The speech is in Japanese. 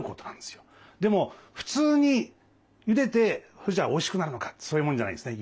でも普通にゆでておいしくなるのかってそういうもんじゃないんですね。